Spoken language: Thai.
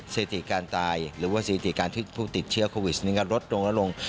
สถิติการตายหรือว่าสถิติการที่ผู้ติดเชื้อโควิดลดลงแล้วลง